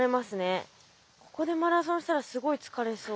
ここでマラソンしたらすごい疲れそう。